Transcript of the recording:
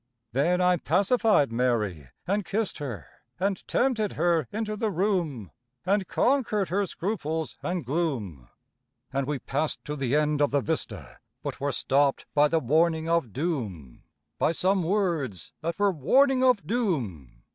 Then I pacified Mary and kissed her, And tempted her into the room, And conquered her scruples and gloom; And we passed to the end of the vista, But were stopped by the warning of doom, By some words that were warning of doom.